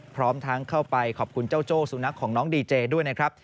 พร้อมทั้งเข้าไปขอบคุณเจ้าโจ้สุนัขของน้องดีเจด้วยนะครับ